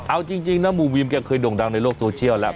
เอาจริงนะหมู่วีมแกเคยด่งดังในโลกโซเชียลแล้ว